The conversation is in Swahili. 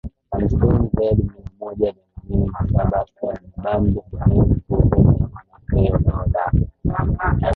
Rammstein Zedd mia moja themanini na saba Strassenbande Bonez Gzuz Germany Cleo Doda